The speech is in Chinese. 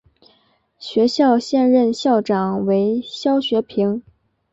学校现任校长为肖学平。